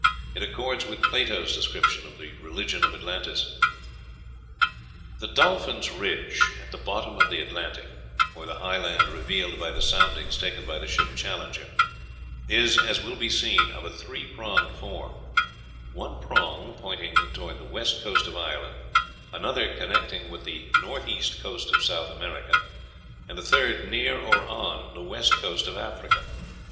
It accords with Plato's description of the religion of Atlantis. "The Dolphin's Ridge," at the bottom of the Atlantic, or the high land revealed by the soundings taken by the ship Challenger, is, as will be seen, of a three pronged form one prong pointing toward the west coast of Ireland, another connecting with the north east coast of South America, and a third near or on the west coast of Africa.